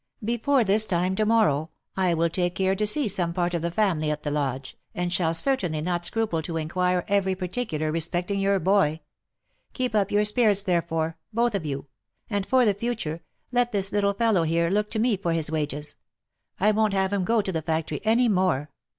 Before this time to morrow, I will take care to see some part of the family at the Lodge, and shall certainly not scruple to inquire every particular re specting your boy. Keep up your spirits therefore, both of you ; and for the future, let this little fellow here look to me for his wages. I won't have him go to the factory any more.